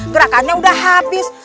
gerakannya udah habis